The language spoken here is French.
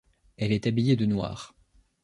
Elle est habillée de noir.